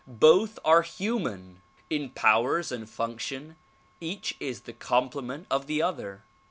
Both are human. In powers and function each is the complement of the other.